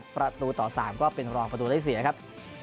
ประตูต่อ๓ก็เป็นรองประตูได้เสียครับ